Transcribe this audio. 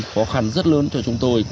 khó khăn rất lớn cho chúng tôi